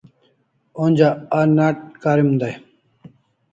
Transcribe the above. Onja a nat karim dai